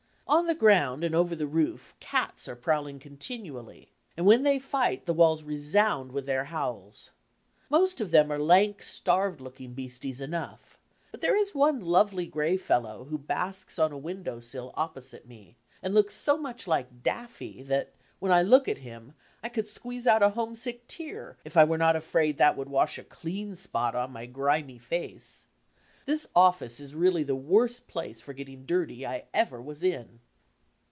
On the ground and over the roof cats are prowling continually, and when they fight, the walls resound with. their howls. Most of them are lank, starved looking beasties enough, but there is one lovely gray fellow who basks on a window sill opposite me and looks so much like 'Daffy' that, when I look at him, I could squeeze out a homesick tear if I were not afraid that would wash a clean spot on my grimy face. This office is really the worst place for getting dirty I ever was in.